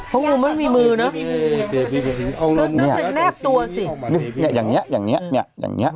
เพราะมึงมันมีมือเนอะ